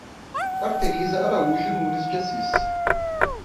Arteniza Araújo Nunes de Assis